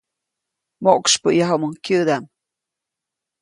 Moʼksypyäyajuʼumuŋ kyäʼdaʼm.